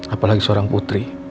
apalagi seorang putri